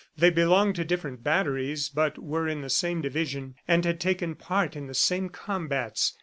They belonged to different batteries, but were in the same division and had taken part in the same combats.